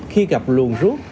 khi gặp luồng rút